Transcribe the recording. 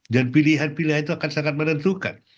dan pilihan pilihan itu akan sangat menentukan